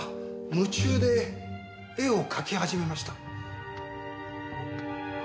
夢中で絵を描き始めました。